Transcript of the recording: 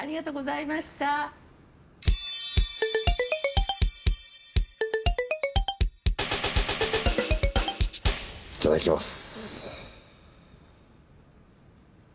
いただきます。